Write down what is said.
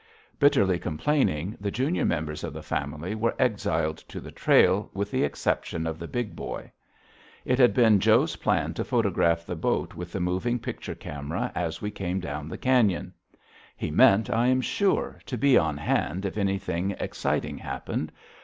Bitterly complaining, the junior members of the family were exiled to the trail with the exception of the Big Boy. It had been Joe's plan to photograph the boat with the moving picture camera as we came down the cañon. He meant, I am sure, to be on hand if anything exciting happened.